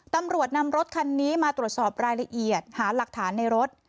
ตำรวจนำรถคันนี้มาตรวจสอบรายละเอียดหาหลักฐานในรถ